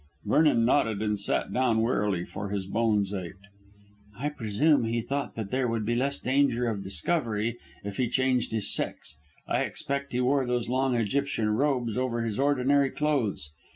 Vernon nodded and sat down wearily, for his bones ached. "I presume he thought that there would be less danger of discovery if he changed his sex. I expect he wore those long Egyptian robes over his ordinary clothes.